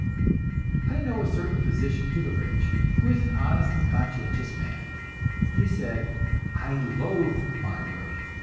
I know a certain physician to the rich, who is an honest and conscientious man. He said, "I loath my work.